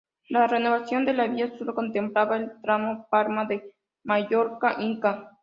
La renovación de la vía solo contemplaba el tramo Palma de Mallorca-Inca.